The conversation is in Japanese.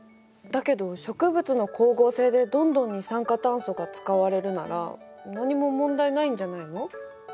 だけど植物の光合成でどんどん二酸化炭素が使われるなら何も問題ないんじゃないの？